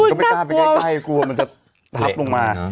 ก็ไม่กล้าไปใกล้กลัวมันจะทับลงมา